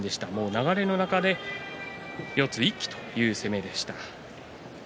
流れの中で四つ一気という相撲でした。